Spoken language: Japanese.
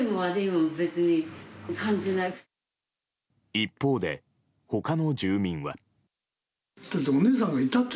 一方で、他の住民は。